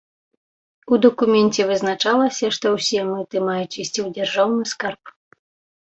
У дакуменце вызначалася, што ўсе мыты маюць ісці ў дзяржаўны скарб.